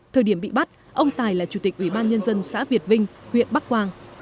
thời điểm bị bắt ông tài là chủ tịch ủy ban nhân dân xã việt vinh huyện bắc quang